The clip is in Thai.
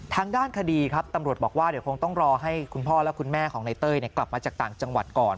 ทางด้านคดีครับตำรวจบอกว่าเดี๋ยวคงต้องรอให้คุณพ่อและคุณแม่ของในเต้ยกลับมาจากต่างจังหวัดก่อน